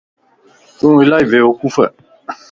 تون الائي بيوقوف ائين